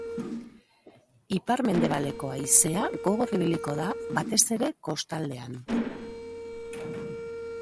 Ipar-mendebaldeko haizea gogor ibiliko da, batez ere kostaldean.